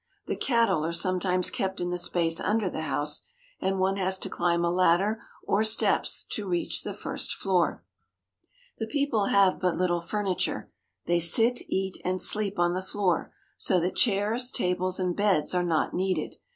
The cattle are some times kept in the space under the house, and one has to climb a ladder or steps to reach the first floor. WITH THE BURMESE AT HOME 219 The people have but little furniture. They sit, eat, and sleep on the floor so that chairs, tables, and beds are not needed.